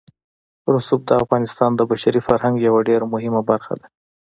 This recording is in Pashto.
رسوب د افغانستان د بشري فرهنګ یوه ډېره مهمه برخه ده.